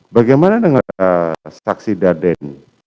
bagaimana dengan saksi darden